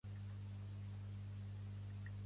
Volem que tots els presos i exiliats tornin a casa!